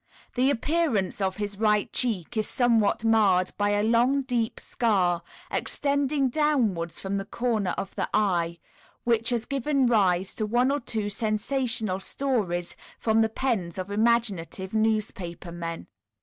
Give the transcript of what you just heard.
The appearance of his right cheek is somewhat marred by a long, deep scar, extending downwards from the corner of the eye, which has given rise to one or two sensational stories from the pens of imaginative newspaper men.